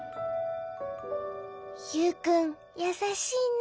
ユウくんやさしいね。